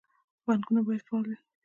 بانکونه باید فعال وي